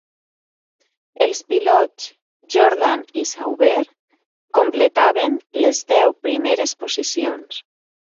Els pilots Jordan i Sauber completaven les deu primeres posicions.